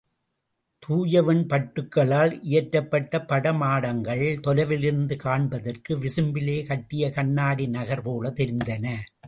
தூயவெண் பட்டுக்களால் இயற்றப்பட்ட பட மாடங்கள் தொலைவிலிருந்து காண்பதற்கு விசும்பிலே கட்டிய கண்ணாடி நகர் போலத் தெரிந்தன.